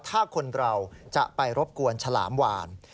ถ้าคนเราจะไปรบกวนฉลามวาน